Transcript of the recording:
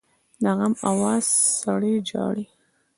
د غم آواز سړی ژاړي